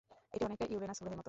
এটি অনেকটা ইউরেনাস গ্রহের মতো।